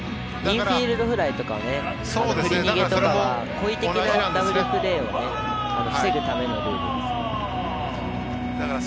インフィールドフライとか振り逃げは故意的なダブルプレーを防ぐためのルールですよね。